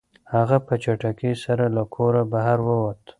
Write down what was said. هغه په چټکۍ سره له کوره بهر ووت.